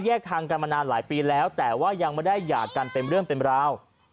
ทางกันมานานหลายปีแล้วแต่ว่ายังไม่ได้หย่ากันเป็นเรื่องเป็นราว